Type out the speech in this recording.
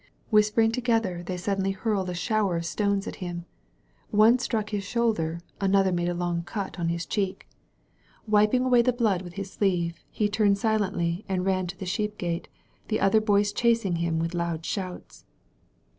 Whispering together, they suddenly hurled a shower of stones at him. One struck his shoulder, another made a long cut on his cheek. Wiping away ^9 THE VALLEY OF VISION the blood with his deeve, he turned silently and ran to the Sheep Gate, the other boys chwring Iiim with loud shouts.